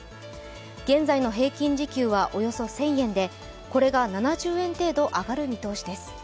現在の平均時給はおよそ１０００円でこれが７０円程度、上がる見通しです